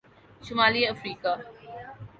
شمالی افریقہ